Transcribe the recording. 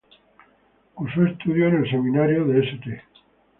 Cursó estudios en el Seminario de St.